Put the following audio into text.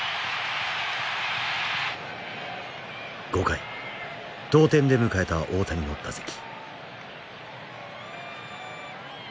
５回同点で迎えた大谷の打席。